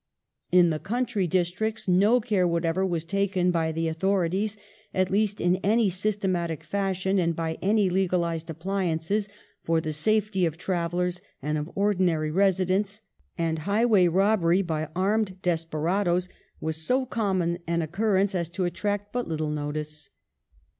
In the country districts no care what ever was taken by the authorities, at least in any systematic fashion and by any legalised appliances, for the safety of travellers and of ordinary residents, and highway robbery by armed desperadoes was so common an occurrence as to attract but little notice.